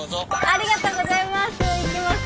ありがとうございます！